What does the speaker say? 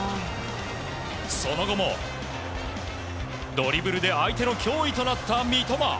その後も、ドリブルで相手の脅威となった三笘。